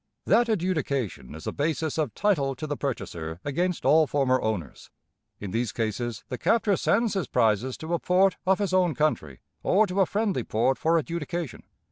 That adjudication is the basis of title to the purchaser against all former owners. In these cases the captor sends his prizes to a port of his own country or to a friendly port for adjudication.